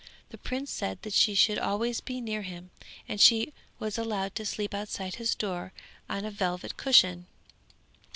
The prince said that she should always be near him, and she was allowed to sleep outside his door on a velvet cushion.